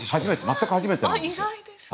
全く初めてなんです。